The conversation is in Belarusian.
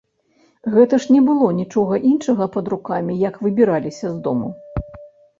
Гэта ж не было нічога іншага пад рукамі, як выбіраліся з дому.